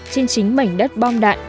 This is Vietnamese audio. trên chính mảnh đất bom đạn